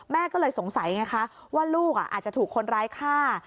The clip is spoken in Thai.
แม่ก็เลยสงสัยไงคะว่าลูกอาจจะถูกคนร้ายฆ่า